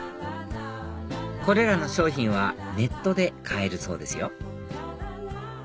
これらの商品はネットで買えるそうですよ